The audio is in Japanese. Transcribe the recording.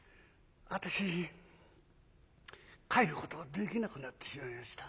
私帰ることできなくなってしまいました」。